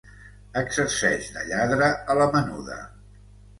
Exerceix de lladre a la menuda.